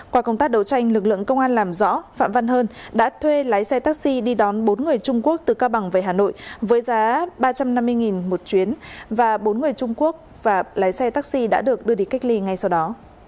qua công tác đấu tranh lực lượng công an làm rõ phạm văn hơn đã thuê lái xe taxi đi đón bốn người trung quốc từ cao bằng về hà nội với giá ba trăm năm mươi một chuyến và bốn người trung quốc và lái xe taxi đã được đưa đi cách ly ngay sau đó